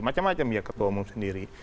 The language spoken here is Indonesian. macem macem ya ketua umum sendiri